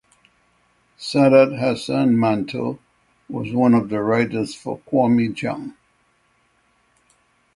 Saadat Hasan Manto was one of the writers for "Qaumi Jang".